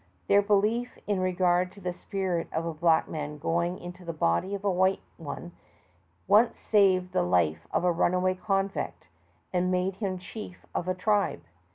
Their belief in regard to the spirit of a blaek man going into the body of a white one onee saved the life of a runaway eonviet, and made him ehief of a tribe.